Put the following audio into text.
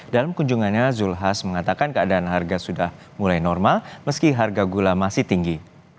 dalam kunjungannya zulkifli hasan mengatakan keadaan harga sudah mulai normal meski harga gula masih tinggi